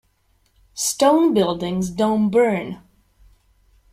Stone buildings don't burn.